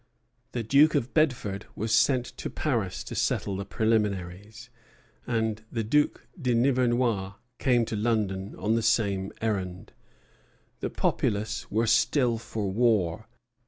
The Duke of Bedford was sent to Paris to settle the preliminaries, and the Duc de Nivernois came to London on the same errand. The populace were still for war.